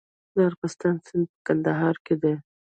د ارغستان سیند په کندهار کې دی